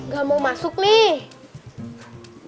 gak mau masuk nih